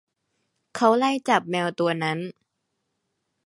เขาไล่จับแมวตัวนั้น